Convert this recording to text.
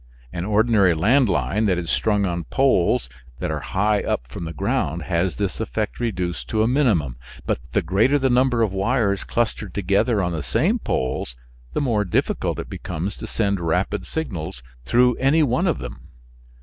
An ordinary land line that is strung on poles that are high up from the ground has this effect reduced to a minimum, but the greater the number of wires clustered together on the same poles the more difficult it becomes to send rapid signals through any one of them.